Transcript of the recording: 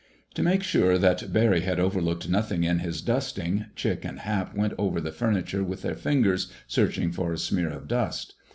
To make sure that Barry had overlooked nothing in his dusting, Chick and Hap went over the furniture with their fingers, searching for a smear of dust.